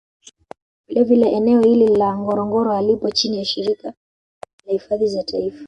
Vile vile eneo hili la ngorongoro halipo chini ya Shirika la hifadhi za Taifa